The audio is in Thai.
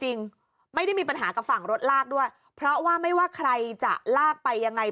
จริงไม่ได้มีปัญหากับฝั่งรถลากด้วยเพราะว่าไม่ว่าใครจะลากไปยังไง